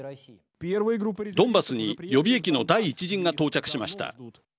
ドンバスに予備役の第一陣が到着しました。